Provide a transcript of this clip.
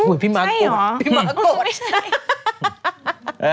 เหมือนพี่มะโกด